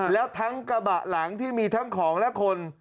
แล้วทั้งกระบะหลังที่มีทั้งของและคน